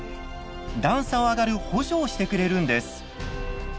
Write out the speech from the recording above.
段差を上がる補助をしてくれるんです。